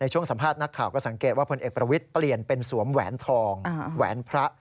ช่วงสัมภาษณ์นักข่าวก็สังเกตว่าพลเอกประวิทย์เปลี่ยนเป็นสวมแหวนทองแหวนพระ